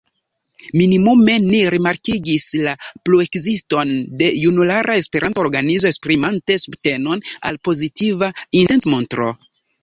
Minimume ni rimarkigis la pluekziston de junulara esperanta organizo esprimante subtenon al pozitiva intencmontro.